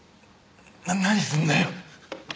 な何すんだよ？